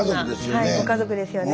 いい家族ですよね。